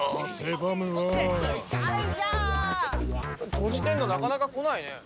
トジテンドなかなか来ないね。